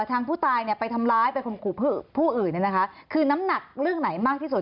ทางผู้ตายเนี่ยไปทำร้ายไปข่มขู่ผู้อื่นเนี่ยนะคะคือน้ำหนักเรื่องไหนมากที่สุด